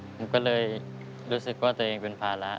ผมก็เลยรู้สึกว่าตัวเองเป็นภาระ